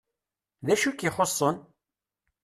D acu i k-ixuṣṣen?